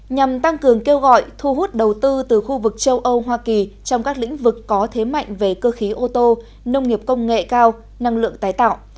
nhằm tăng cường kêu gọi thu hút đầu tư từ khu vực châu âu hoa kỳ trong các lĩnh vực có thế mạnh về cơ khí ô tô nông nghiệp công nghệ cao năng lượng tái tạo